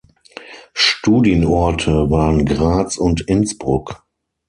Studienorte waren Graz und Innsbruck.